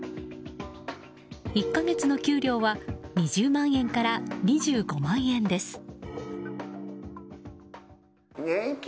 １か月の給料は２０万円から２５万円です。